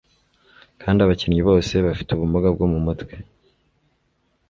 kandi abakinnyi bose bafite ubumuga bwo mu mutwe